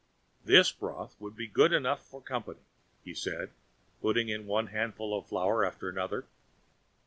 "This broth would be good enough for company," he said, putting in one handful of flour after another.